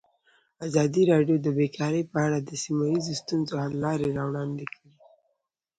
ازادي راډیو د بیکاري په اړه د سیمه ییزو ستونزو حل لارې راوړاندې کړې.